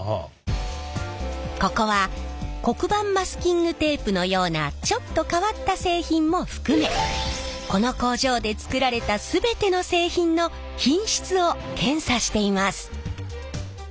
ここは黒板マスキングテープのようなちょっと変わった製品も含めこの工場で作られた全ての製品の品質を検査しています。